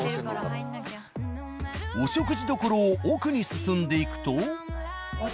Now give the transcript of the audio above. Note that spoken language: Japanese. お食事処を奥に進んでいくと。